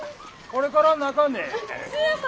これから中ね？